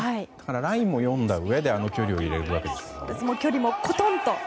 ラインを読んだうえであの距離を入れると。